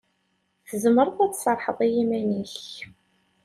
Tzemreḍ ad tserrḥeḍ i yiman-ik.